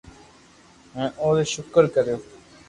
ھين اوري ݾڪر ڪريو